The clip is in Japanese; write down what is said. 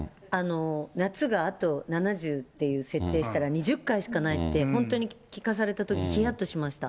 夏があと、７０って設定したら、２０回しかないって、本当に聞かされたとき、ひやっとしました。